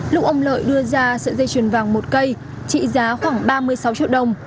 lúc ông lợi đưa ra sợi dây chuyền vàng một cây trị giá khoảng ba mươi sáu triệu đồng